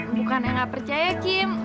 bukannya gak percaya kim